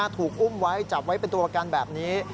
ถูกอุ้มไว้จับไว้เป็นตัวกันแบบนี้